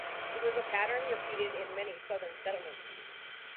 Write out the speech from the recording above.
It was a pattern repeated in many Southern settlements.